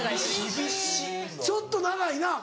・厳しい・ちょっと長いな。